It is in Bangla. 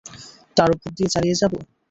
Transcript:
তার উপর দিয়ে চালিয়ে যাবো?